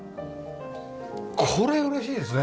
これ嬉しいですね。